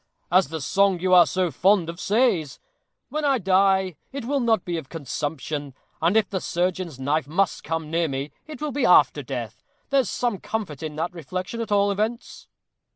as the song you are so fond of says. When I die it will not be of consumption. And if the surgeon's knife must come near me, it will be after death. There's some comfort in that reflection, at all events."